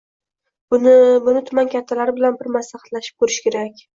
— Buni... buni tuman kattalari bilan bir maslahatlashib ko‘rish kerak.